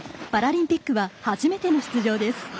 パラリンピックは初めての出場です。